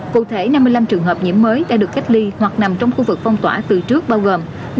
cụ thể năm mươi năm trường hợp nhiễm mới đã được cách ly hoặc nằm trong khu vực phong tỏa từ trước bao gồm